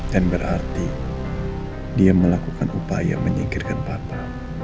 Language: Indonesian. dan berarti dia melakukan upaya menyingkirkan papa